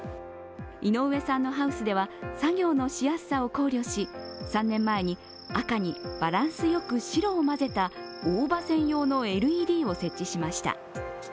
井上さんのハウスでは作業のしやすさを考慮し３年前に赤にバランスよく白を混ぜた大葉専用のＬＥＤを設置しました。